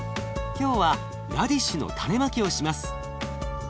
今日はラディッシュの種まきをします。